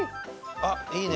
あっいいね。